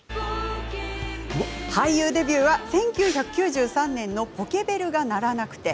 俳優デビューは１９９３年の「ポケベルが鳴らなくて」。